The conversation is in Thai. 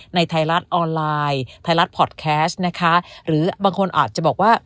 ในไทรลัดออนไลน์ไทรลัดพอดแคสนะคะหรือบางคนอาจจะบอกว่า